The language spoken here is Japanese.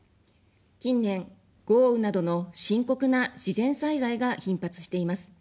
近年、豪雨などの深刻な自然災害が頻発しています。